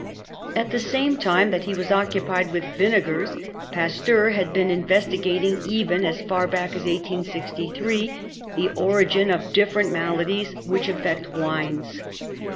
At the same time that he was occupied with vinegars Pasteur had been investigating even as far back as 1863 the origin of different mala dies which affect wines.